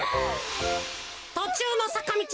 とちゅうのさかみち